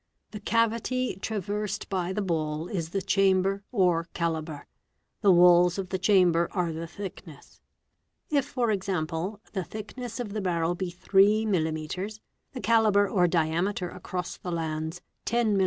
The cavity traversed by the ball is the chamber or calibre ; the walls of the chamber are the thickness. If for example the thickness of the barrel be 3 mill., the calibre or diameter across the lands, 10 mill.